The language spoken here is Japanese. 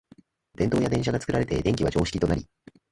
電燈や電車が作られて電気は常識となり、